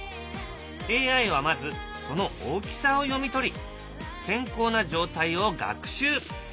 ＡＩはまずその大きさを読み取り健康な状態を学習。